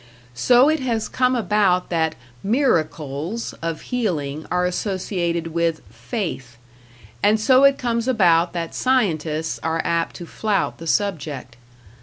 So it has come about that "miracles" of healing are associated with "faith"; and so it comes about that scientists are apt to flout the subject.